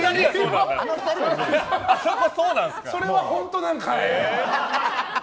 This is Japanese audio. それは本当なんかい！